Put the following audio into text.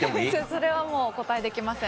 それはもうお答えできません。